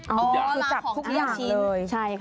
อ๋อลาของที่รักเลย